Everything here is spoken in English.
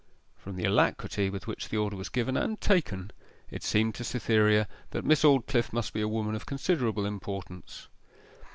From the alacrity with which the order was given and taken, it seemed to Cytherea that Miss Aldclyffe must be a woman of considerable importance.